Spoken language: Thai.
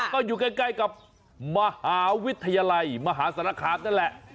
ก็อยู่ใกล้กับมหาวิทยาลัยมหาสารคามนั่นแหละ